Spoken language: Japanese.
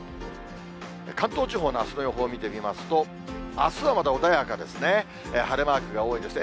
関東地方のあすの予報を見てみますと、あすはまだ穏やかですね。